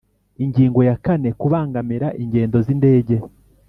Ingingo ya kane Kubangamira ingendo z’indege